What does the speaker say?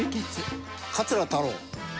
桂太郎。